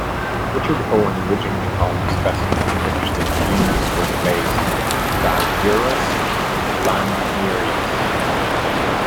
Richard Owen originally called the specimen on which the genus was based "Dasyurus laniarus".